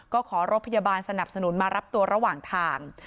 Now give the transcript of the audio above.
ก็ขอรถพยาบาลสนับสนุนมารับตัวระหว่างทาง